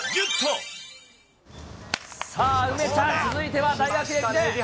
さあ、梅ちゃん、続いては大学駅伝。